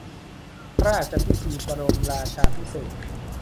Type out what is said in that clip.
พระราชพิธีบรมราชาภิเษก